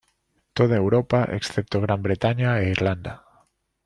Toda Europa, excepto Gran Bretaña e Irlanda.